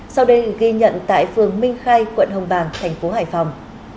sau đây là ghi nhận tại phường minh khai quận hồng bàng thành phố hải phòng